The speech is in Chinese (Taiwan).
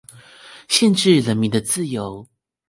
限制人民的自由